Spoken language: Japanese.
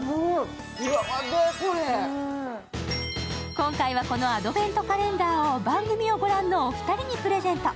今回はこのアドベントカレンダーを番組を御覧のお二人にプレゼント。